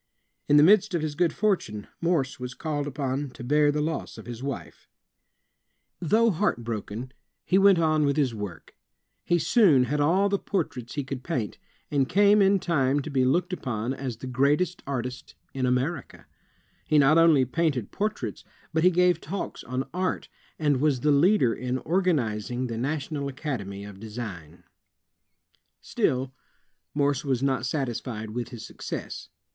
In the midst of his good fortime, Morse was called upon to bear the loss of his wife. Though heartbroken. 2l6 INVENTIONS OF PRINTING AND COMMUNICATION he went on with his work. He soon had all the portraits he could paint, and came in time to be looked upon as the greatest artist in America, He not only painted portraits, but he gave talks on art, and was the leader in oi^anizing the National Academy of Design. HORSE FAINTENG THE Still, Morse was not satisfied with his success.